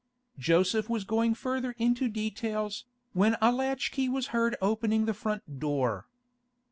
Joseph was going further into details, when a latch key was heard opening the front door.